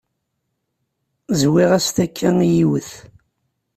Zwiɣ-as takka i yiwet.